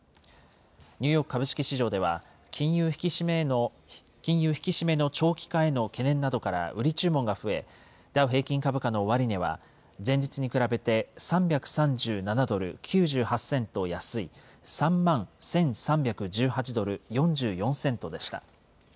ニューヨーク株式市場では、金融引き締めの長期化への懸念などから売り注文が増え、ダウ平均株価の終値は、前日に比べて３３７ドル９８セント安い３万１３１８ドル４４セントでした。